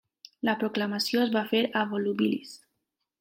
La proclamació es va fer a Volubilis.